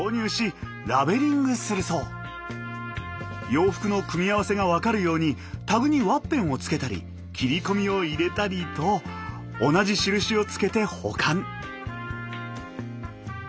洋服の組み合わせが分かるようにタグにワッペンをつけたり切り込みを入れたりと同じ印をつけて保管。